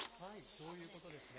そういうことですね。